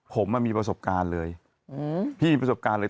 ผมอะมีประสบการณ์เลย